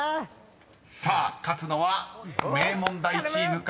［さあ勝つのは名門大チームか。